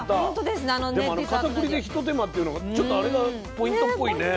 でもあのかたくりで一手間っていうのがちょっとあれがポイントっぽいね。